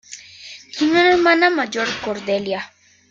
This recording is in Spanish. Tiene una hermana mayor, Cordelia.